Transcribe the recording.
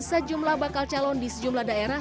sejumlah bakal calon di sejumlah daerah